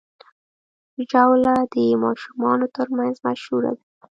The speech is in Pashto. ژاوله د ماشومانو ترمنځ مشهوره ده.